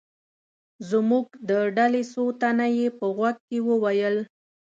د زموږ د ډلې څو تنه یې په غوږ کې و ویل.